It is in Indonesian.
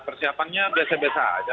ya persiapannya biasa biasa saja